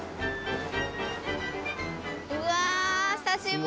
うわあ久しぶり。